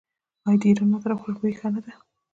آیا د ایران عطر او خوشبویي ښه نه ده؟